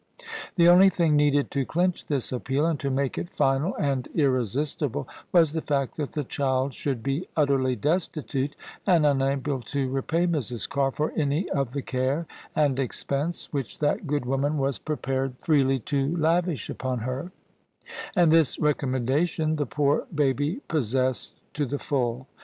The only thing needed to clinch this appeal, and to make it final and irresistible, was the fact that the child should be utterly destitute and unable to repay Mrs. Carr for any of the care and expense which that good woman was prepared [ 154 ] OF ISABEL CARNABY freely to lavish upon her: and this recommendation the poor baby possessed to the full.